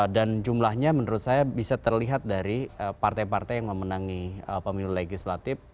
jumlahnya menurut saya bisa terlihat dari partai partai yang memenangi pemilu legislatif